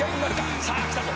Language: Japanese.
「さあ来たぞ。